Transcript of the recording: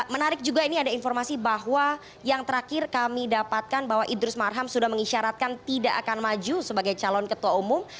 menarik juga ini ada informasi bahwa yang terakhir kami dapatkan bahwa idrus marham sudah mengisyaratkan tidak akan maju sebagai calon ketua umum